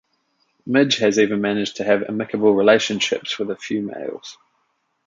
Midge has even managed to have amicable relationships with a few males.